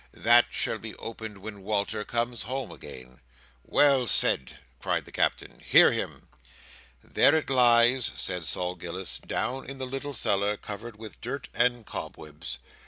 That shall be opened when Walter comes home again." "Well said!" cried the Captain. "Hear him!" "There it lies," said Sol Gills, "down in the little cellar, covered with dirt and cobwebs.